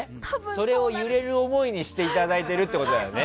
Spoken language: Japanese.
それを揺れる思いにしていただいてるってことだよね。